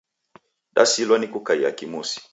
Dasilwa ni kukaia kimusi